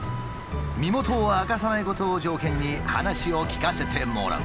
身元を明かさないことを条件に話を聞かせてもらう。